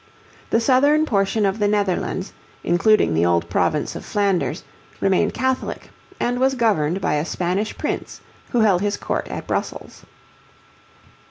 The southern portion of the Netherlands, including the old province of Flanders, remained Catholic and was governed by a Spanish Prince who held his court at Brussels.